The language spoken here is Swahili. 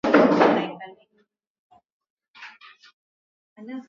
Kesho nitaanika nguo zangu zote